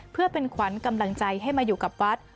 เพื่อเป็นขวัญกำลังใจให้มาอยู่กับวัด